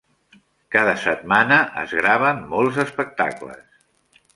Cada setmana es graven molts espectacles.